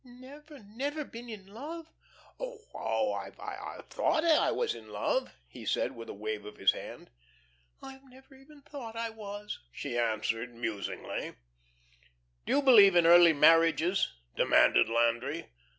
"Never, never been in love?" "Oh, I've thought I was in love," he said, with a wave of his hand. "I've never even thought I was," she answered, musing. "Do you believe in early marriages?" demanded Landry.